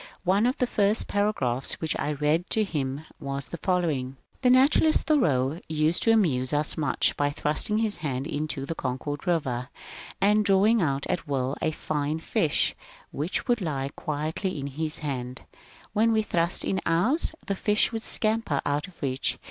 One of the first paragraphs which I read to him was the following :— The naturalist Thoreau used to amuse us much by thrust ing his hand into the Concord River, and drawing out at will a fine fish, which would lie quietly in his hand ; when we thrust in ours, the fish would scamper out of reach.